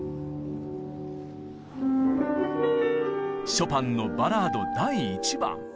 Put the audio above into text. ショパンの「バラード第１番」。